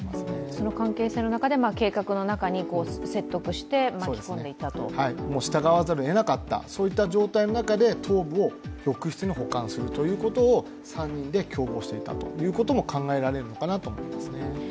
その関係性の中で計画の中でセットとして従わざるをえなかったといった状態の中で、頭部を浴室に保管していたと３人で共謀していたということも考えられるのかなと思いますね。